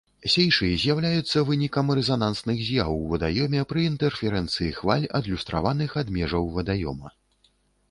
Сейшы з'яўляюцца вынікам рэзанансных з'яў у вадаёме пры інтэрферэнцыі хваль, адлюстраваных ад межаў вадаёма.